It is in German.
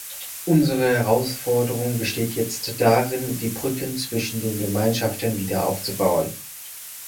Unsere Herausforderung besteht jetzt darin, die Brücken zwischen den Gemeinschaften wieder aufzubauen.